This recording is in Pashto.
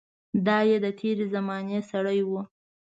دای د تېرې زمانې سړی و.